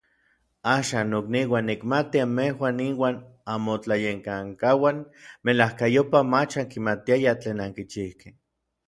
Axan, nokniuan, nikmati anmejuan inuan anmotlayekankauan melajkayopaj mach ankimatiayaj tlen ankichijkej.